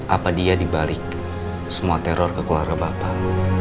apa dia dibalik semua teror ke keluarga bapak